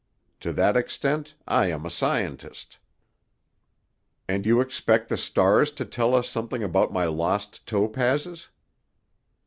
To that extent I am a scientist." "And you expect the stars to tell us something about my lost topazes?"